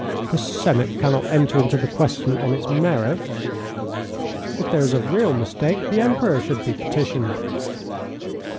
"The Senate cannot enter into the question on its merits. If there is a real mistake, the Emperor should be petitioned."